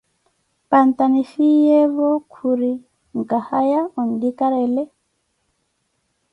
Panta nifhiyevo, khuri, nkahaya onlikarele.